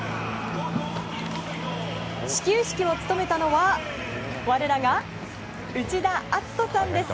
始球式を務めたのは我らが内田篤人さんです。